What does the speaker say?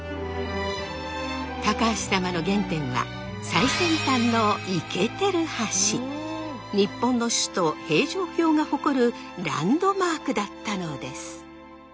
高橋様の原点は日本の首都平城京が誇るランドマークだったのです！